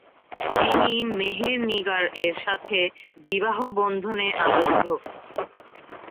তিনি মেহের নিগার এর সাথে বিবাহ বন্ধনে আবদ্ধ।